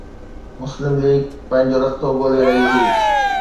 مسلم ليگ پنهنجو رستو ڳولي رهي هئي.